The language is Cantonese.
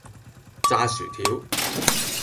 炸薯條